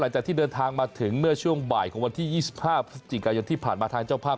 หลังจากที่เดินทางมาถึงเมื่อช่วงบ่ายของวันที่๒๕พฤศจิกายนที่ผ่านมาทางเจ้าภาพ